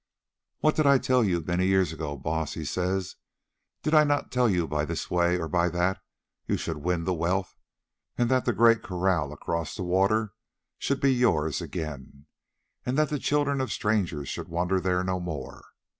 "What did I tell you many years ago, Baas?" he says. "Did I not tell you that by this way or by that you should win the wealth, and that the great kraal across the water should be yours again, and that the children of strangers should wander there no more?